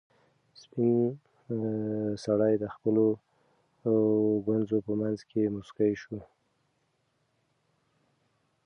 سپین سرې د خپلو ګونځو په منځ کې موسکۍ شوه.